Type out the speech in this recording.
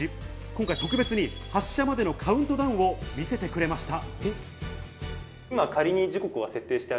今回、特別に発射までのカウントダウンを見せてくれました。